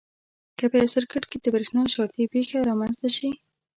که په یو سرکټ کې د برېښنا شارټي پېښه رامنځته شي.